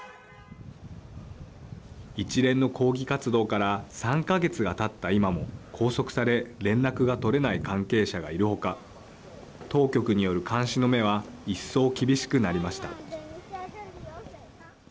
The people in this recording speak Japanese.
一連の抗議活動から３か月がたった今も拘束され連絡が取れない関係者がいる他当局による監視の目は一層厳しくなりました。